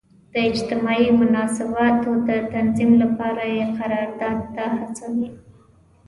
د اجتماعي مناسباتو د تنظیم لپاره یې قرارداد ته هڅوي.